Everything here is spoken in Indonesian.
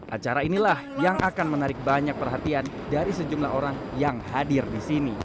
acara inilah yang akan menarik banyak perhatian dari sejumlah orang yang hadir di sini